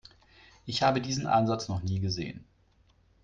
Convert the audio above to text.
Ich habe diesen Ansatz noch nie gesehen.